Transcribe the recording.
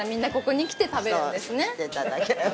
来ていただければ。